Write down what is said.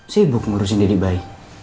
sibuk ngurusin dede bayi